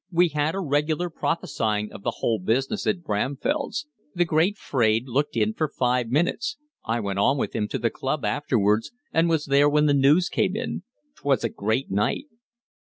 We had a regular prophesying of the whole business at Bramfell's; the great Fraide looked in for five minutes. I went on with him to the club afterwards and was there when the news came in. 'Twas a great night!"